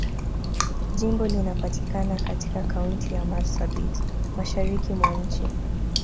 Jimbo linapatikana katika Kaunti ya Marsabit, Mashariki mwa nchi.